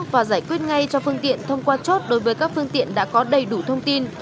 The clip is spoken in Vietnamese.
và giải quyết ngay cho phương tiện thông qua chốt đối với các phương tiện đã có đầy đủ thông tin